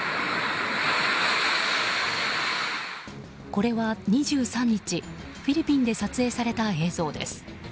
これは２３日、フィリピンで撮影された映像です。